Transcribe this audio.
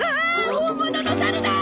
本物の猿だあ！